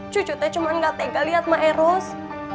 cucu tuh cuma gak tega liat emak erostek